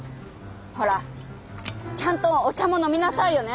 ほらちゃんとお茶も飲みなさいよね！